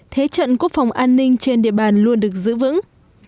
thế trận quốc phòng an ninh trên địa bàn luôn được giữ vững